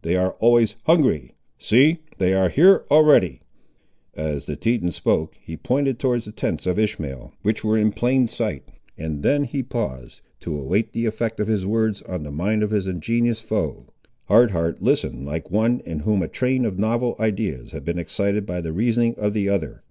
They are always hungry. See, they are here already!" As the Teton spoke, he pointed towards the tents of Ishmael, which were in plain sight, and then he paused, to await the effect of his words on the mind of his ingenuous foe. Hard Heart listened like one in whom a train of novel ideas had been excited by the reasoning of the other.